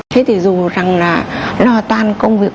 thế thì dù rằng là lo toàn công việc